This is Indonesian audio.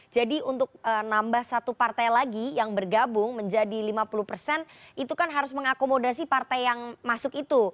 jadi untuk nambah satu partai lagi yang bergabung menjadi lima puluh itu kan harus mengakomodasi partai yang masuk itu